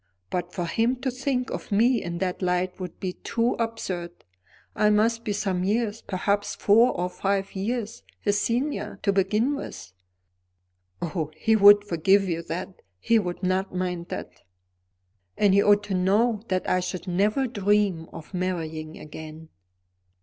"But for him to think of me in that light would be too absurd. I must be some years, perhaps four or five years, his senior, to begin with." "Oh, he would forgive you that; he would not mind that." "And he ought to know that I should never dream of marrying again."